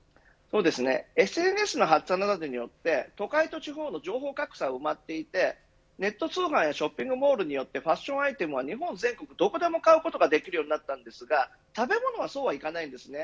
ＳＮＳの発達などによって都会と地方の情報格差が埋まっていてネット通販やショッピングモールによってファッショアイテムは日本全国どこでも買うことができるようになったんですが食べ物はそうは行かないんですね。